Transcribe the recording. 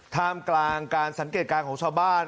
ท่ามกลางการสังเกตการณ์ของชาวบ้าน